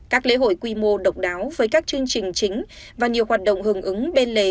các lễ hội quy mô độc đáo với các chương trình chính và nhiều hoạt động hưởng ứng bên lề